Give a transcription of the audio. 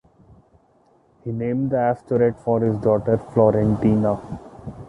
He named the asteroid for his daughter, Florentina.